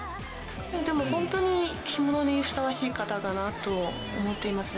ほんとに着物にふさわしい方だなと思っています。